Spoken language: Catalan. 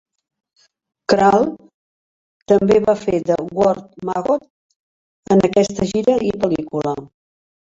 Krahl també va fer de World Maggot en aquesta gira i pel·lícula.